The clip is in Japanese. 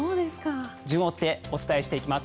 順を追ってお伝えしていきます。